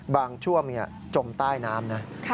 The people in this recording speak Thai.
ช่วงจมใต้น้ำนะ